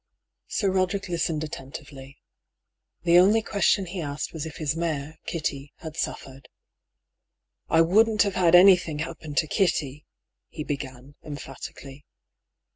Sir Roderick listened attentively. The only question he asked was if his mare, Kitty, had suffered. " I wouldn't have had anything happen to Kitty," he began, emphatically.